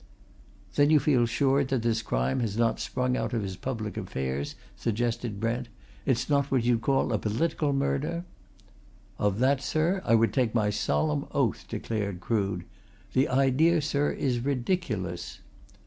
"Then you feel sure that this crime has not sprung out of his public affairs?" suggested Brent. "It's not what you'd call a political murder?" "Of that, sir, I would take my solemn oath!" declared Crood. "The idea, sir, is ridiculous."